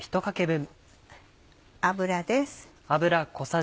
油です。